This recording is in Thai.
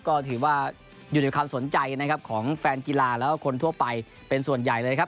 ก็ถือว่าอยู่ในความสนใจนะครับของแฟนกีฬาแล้วก็คนทั่วไปเป็นส่วนใหญ่เลยครับ